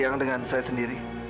siang dengan saya sendiri